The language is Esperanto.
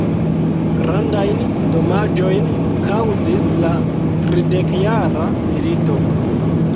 Grandajn damaĝojn kaŭzis la Tridekjara milito.